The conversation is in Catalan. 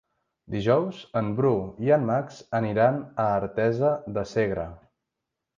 Dijous en Bru i en Max aniran a Artesa de Segre.